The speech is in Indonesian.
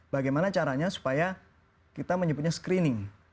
bagaimana caranya supaya kita menyebutnya screening